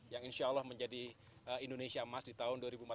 yang insya allah menjadi indonesia emas di tahun dua ribu empat puluh lima